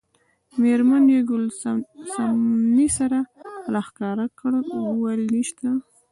میرمن یې ګل صمنې سر راښکاره کړ وویل نشته.